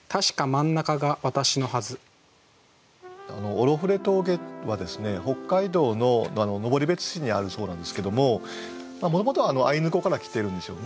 オロフレ峠はですね北海道の登別市にあるそうなんですけどももともとはアイヌ語から来てるんですよね。